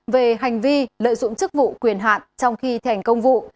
về hành vi lợi dụng chức vụ quyền hạn trong khi thành công vụ